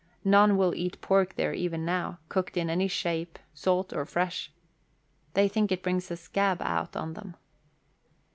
None will eat pork there even now, cooked in any shape, salt or fresh. They think it brings a scab out on them.